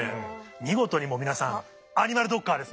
見事にもう皆さんアニマルドッカーです